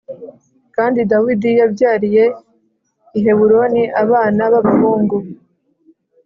Kandi Dawidi yabyariye i Heburoni abana b’abahungu